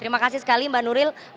terima kasih sekali mbak nuril